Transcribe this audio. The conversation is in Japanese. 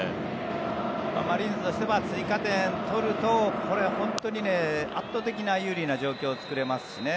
マリーンズとしても追加点を取ると、これは本当に圧倒的な有利な状況を作れますしね